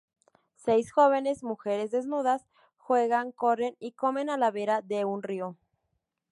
Seis jóvenes mujeres desnudas juegan, corren y comen a la vera de un río.